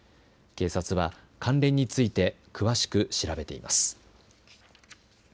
警察は、関連について詳しく調べています。